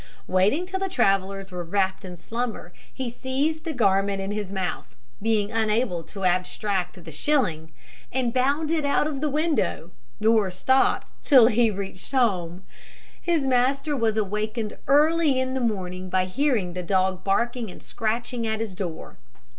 Waiting till the travellers were wrapped in slumber, he seized the garment in his mouth being unable to abstract the shilling and bounded out of the window, nor stopped till he reached his home. His master was awakened early in the morning by hearing the dog barking and scratching at his door.